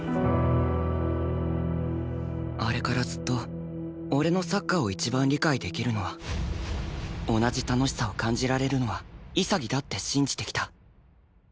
あれからずっと俺のサッカーを一番理解できるのは同じ楽しさを感じられるのは潔だって信じてきた